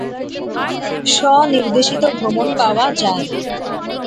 স্ব-নির্দেশিত ভ্রমণ পাওয়া যায় না।